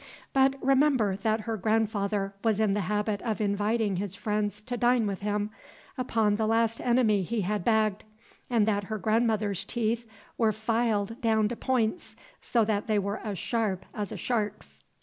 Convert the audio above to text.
But remember that her grandfather was in the habit of inviting his friends to dine with him upon the last enemy he had bagged, and that her grandmother's teeth were filed down to points, so that they were as sharp as a shark's.